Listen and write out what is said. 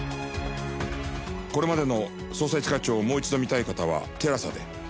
これまでの『捜査一課長』をもう一度見たい方は ＴＥＬＡＳＡ で